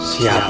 tiada apa "